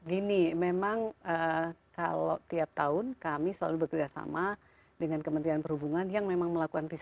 gini memang kalau tiap tahun kami selalu bekerjasama dengan kementerian perhubungan yang memang melakukan riset